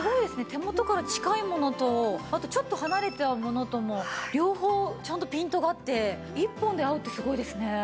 手元から近いものとちょっと離れたものとも両方ちゃんとピントが合って１本で合うってすごいですね。